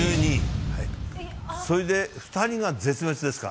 それで２人が絶滅ですか。